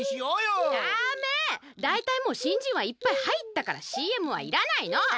だいたいもう新人はいっぱい入ったからＣＭはいらないの！